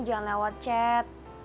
jangan lewat chat